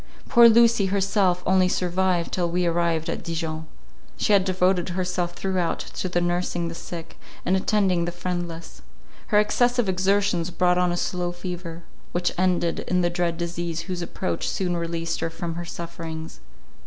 Poor Lucy herself only survived, till we arrived at Dijon. She had devoted herself throughout to the nursing the sick, and attending the friendless. Her excessive exertions brought on a slow fever, which ended in the dread disease whose approach soon released her from her sufferings.